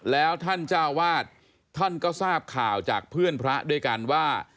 แล้วท่านเจ้าวาดท่านก็ทราบข่าวจากเพื่อนพระด้วยกันว่า